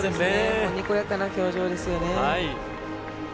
もうにこやかな表情ですよね。